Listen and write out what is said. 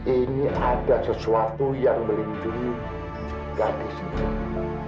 ini ada sesuatu yang melindungi gadisku